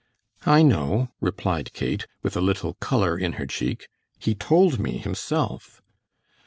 "I know," replied Kate, with a little color in her cheek. "He told me himself."